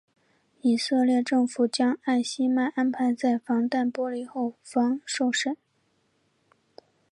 以色列政府将艾希曼安排在防弹玻璃后方受审。